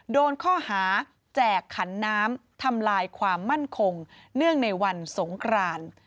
โดนข้อหาแจกขันน้ำทำลายความมั่นคงเนื่องในวันสงคราน